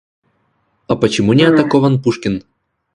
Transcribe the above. А почему не атакован Пушкин?